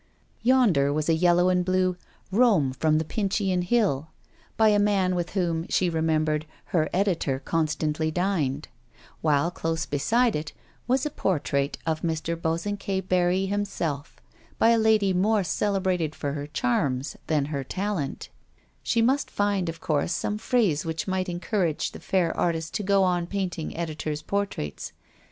Yonder was a yellow and blue "Rome from the Pincian Hill," by a man with whom, she remembered, her editor con stantly dined ; she would have to say some thing vaguely civil about that canvas ; while close beside it was a portrait of Mr. Bosan quet Barry himself, by a lady more cele brated for her charms than her talent. She must find, of course, some phrase which might encourage the fair artist to go on painting editors' portraits.